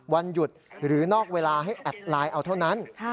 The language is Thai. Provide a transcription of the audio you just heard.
วันหยุดหรือนอกเวลาให้แอดไลน์เอาเท่านั้น